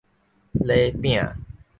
禮餅